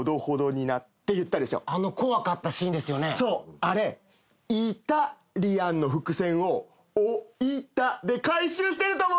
あれ「イタリアン」の伏線を「おいた」で回収してると思うんだよ。